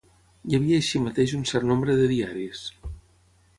Hi havia així mateix un cert nombre de diaris.